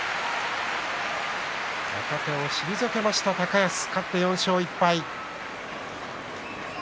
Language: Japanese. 若手を退けました高安勝って４勝１敗。